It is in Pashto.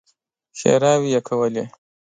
ښېراوې يې کولې.